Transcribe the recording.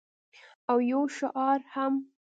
او یو شعار هم